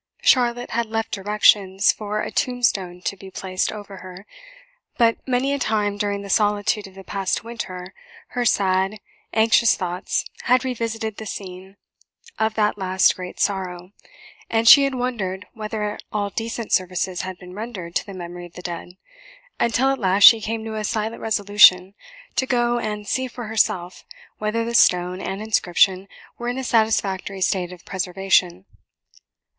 Charlotte had left directions for a tombstone to be placed over her; but many a time during the solitude of the past winter, her sad, anxious thoughts had revisited the scene of that last great sorrow, and she had wondered whether all decent services had been rendered to the memory of the dead, until at last she came to a silent resolution to go and see for herself whether the stone and inscription were in a satisfactory state of preservation.